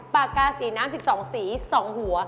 ปากกาสีน้ำ๑๒สี๒หัว